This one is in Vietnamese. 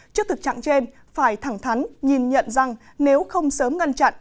trước thực trạng trên phải thẳng thắn nhìn nhận rằng nếu không sớm ngăn chặn